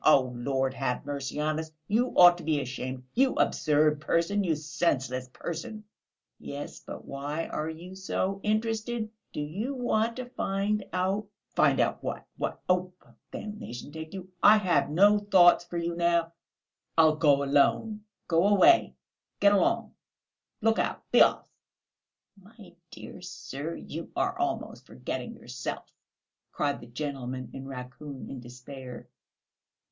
Oh, Lord have mercy on us! You ought to be ashamed, you absurd person, you senseless person!" "Yes, but why are you so interested? Do you want to find out...." "Find out what? What? Oh, well, damnation take you! I have no thoughts for you now; I'll go alone. Go away; get along; look out; be off!" "My dear sir, you are almost forgetting yourself!" cried the gentleman in raccoon in despair.